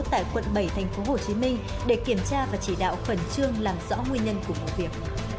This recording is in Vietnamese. tại quận bảy tp hcm để kiểm tra và chỉ đạo khẩn trương làm rõ nguyên nhân của vụ việc